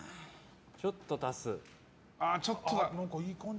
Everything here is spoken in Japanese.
ちょっと足す。